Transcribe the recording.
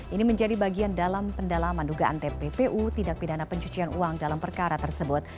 ini menjadi bagian dalam pendalaman dugaan tppu tindak pidana pencucian uang dalam perkara tersebut